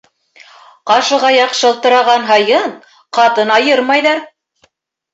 Ҡашығаяҡ шылтыраған һайын ҡатын айырмайҙар.